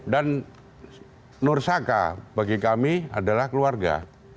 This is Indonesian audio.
dan nur saka bagi kami adalah keluarga